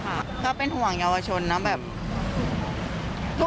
แต่ว่าถ้ามุมมองในทางการรักษาก็ดีค่ะ